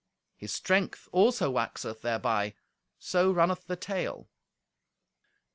His strength also waxeth thereby; so runneth the tale.